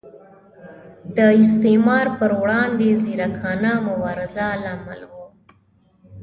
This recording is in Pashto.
د استعمار پر وړاندې ځیرکانه مبارزه لامل و.